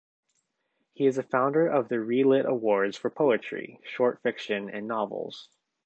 He is the founder of the ReLit Awards for poetry, short fiction and novels.